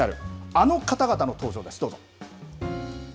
あの方々の登場です、どうぞ。